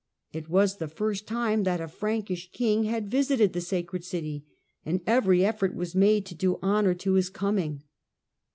It was the first time that a Frankish king had visited the sacred city, and every effort was made to do honour to his coining.